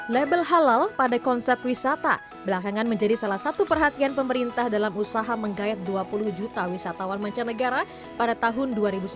label halal pada konsep wisata belakangan menjadi salah satu perhatian pemerintah dalam usaha menggayat dua puluh juta wisatawan mancanegara pada tahun dua ribu sembilan belas